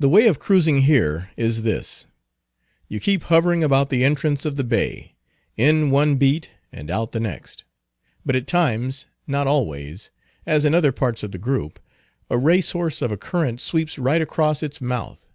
The way of cruising here is this. You keep hovering about the entrance of the bay, in one beat and out the next. But at times—not always, as in other parts of the group—a racehorse of a current sweeps right across its mouth.